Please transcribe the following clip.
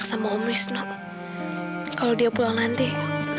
sampai jumpa di video selanjutnya